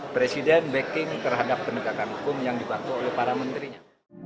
presiden backing terhadap penegakan hukum yang dibantu oleh para menterinya